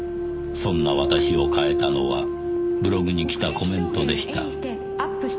「そんな私を変えたのはブログに来たコメントでした」